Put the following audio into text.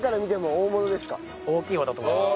大きい方だと思います。